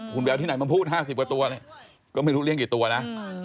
คุณแบ๊วที่ไหนมาพูด๕๐กว่าตัวก็ไม่รู้เลี้ยงกี่ตัวนะ